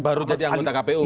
baru jadi anggota kpu